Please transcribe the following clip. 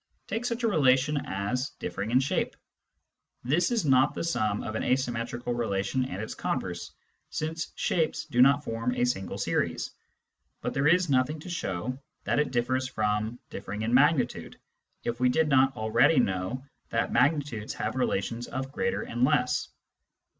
Take such a relation as " differing in shape." This is not the sum of an asymmetrical relation and its converse, since shapes do not form a single series ; but there is nothing to show that it differs from " differing in magnitude " if we did not already know that magnitudes have relations of greater and less.